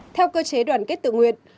theo cơ chế đoàn kết tự nguyện